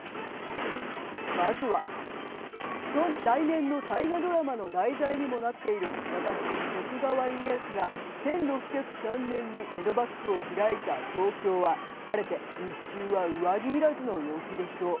まずは、来年の大河ドラマの題材にもなっている私、徳川家康が１６０３年に江戸幕府を開いた東京は晴れて日中は上着いらずの陽気でしょう。